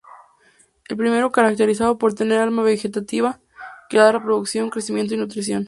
El primero caracterizado por tener ""alma vegetativa"" que le da reproducción, crecimiento y nutrición.